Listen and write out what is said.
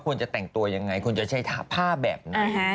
จะแต่งตัวยังไงควรจะใช้ผ้าแบบไหน